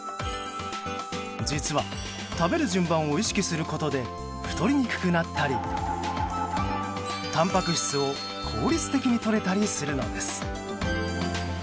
実は食べる順番を意識することで太りにくくなったりたんぱく質を効率的に取れたりするのです。